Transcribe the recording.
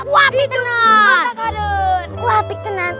wah pik tenang